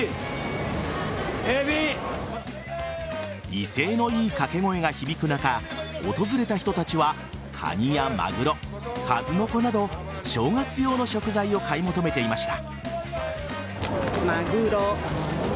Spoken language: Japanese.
威勢のいい掛け声が響く中訪れた人たちはカニやマグロ、数の子など正月用の食材を買い求めていました。